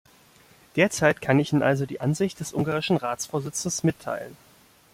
Derzeit kann ich Ihnen also die Ansicht des ungarischen Ratsvorsitzes mitteilen.